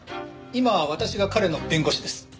今は私が彼の弁護士です。